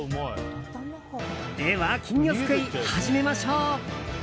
では金魚すくい、始めましょう。